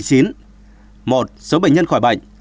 một số bệnh nhân khỏi bệnh